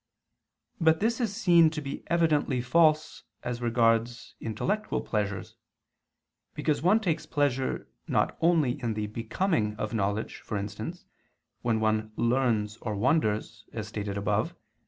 But this is seen to be evidently false as regards intellectual pleasures: because one takes pleasure, not only in the "becoming" of knowledge, for instance, when one learns or wonders, as stated above (Q.